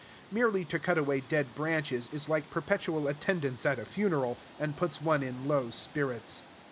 Merely to cut away dead branches is like perpetual attendance at a funeral, and puts one in low spirits.